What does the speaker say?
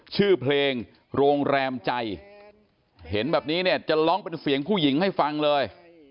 ชื่อเพลงโรงแรมใจเห็นแบบนี้เนี่ยจะร้องเป็นเสียงผู้หญิงให้ฟังเลย